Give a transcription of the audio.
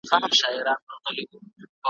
ملاجان ته خدای ورکړي نن د حورو قافلې دي ,